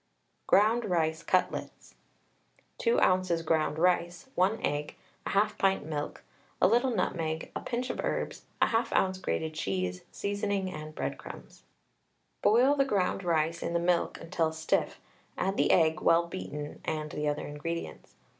GROUND RICE CUTLETS. 2 oz. ground rice, 1 egg, 1/2 pint milk, a little nutmeg, a pinch of herbs, 1/2 oz. grated cheese, seasoning, and breadcrumbs. Boil the ground rice in the milk until stiff, add the egg, well beaten, and the other ingredients.